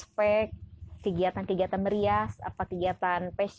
tak mau ditunjukkan nanti di hadapan anaknya tentu saja dicaci